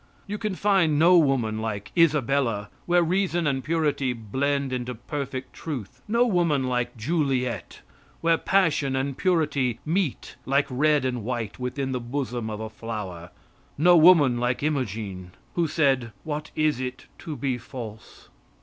You can find no woman like Isabella, where reason and purity blend into perfect truth; no woman like Juliet, where passion and purity meet like red and white within the bosom of a flower; no woman like Imogen, who said, "What is it to be false?"